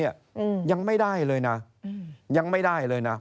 ยังไม่ได้เลยนะ